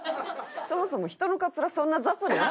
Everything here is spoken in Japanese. そもそも人のカツラそんな雑に扱えん。